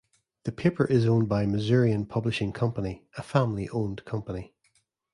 The paper is owned by Missourian Publishing Company, a family-owned company.